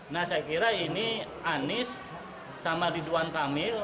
nah saya kira ini anies sama ridwan kamil